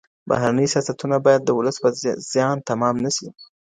بهرني سیاستونه باید د ولس په زیان تمام نه سي.